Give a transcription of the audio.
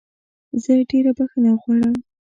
زه ډېره بخښنه غواړم